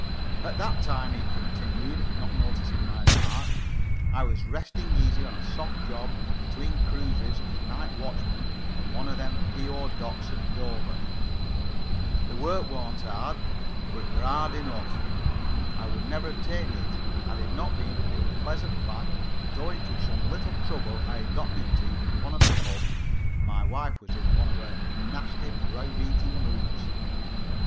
"At that time," he continued, not noticing my remark, "I was resting easy on a soft job between cruises as night watchman on one of them P.O. docks at Dover. The work warn't hard, but it was hard enough. I would never have taken it had it not been for the unpleasant fact that owing to some little trouble I had gotten into at one of the pubs my wife was in one of her nasty, brow beating moods.